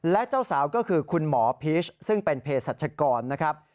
และเจ้าสาวก็คือคุณหมอพีชซึ่งเป็นเพศรัชกรนะครับ